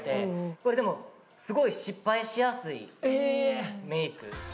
これでもすごい失敗しやすいメイク。